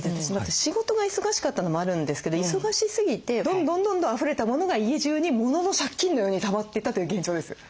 仕事が忙しかったのもあるんですけど忙しすぎてどんどんどんどんあふれたモノが家中にモノの借金のようにたまっていったという現状です。